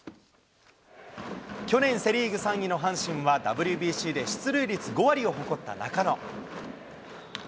去年、セ・リーグ３位の阪神は、ＷＢＣで出塁率５割を誇った中野。